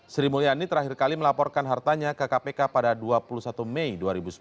sri mulyani terakhir kali melaporkan hartanya ke kpk pada dua puluh satu mei dua ribu sembilan belas